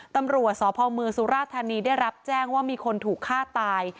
ตำรวจสพเมืองสุราธานีได้รับแจ้งว่ามีคนถูกฆ่าตาย